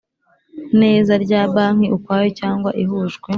neza rya banki ukwayo cyangwa ihujwe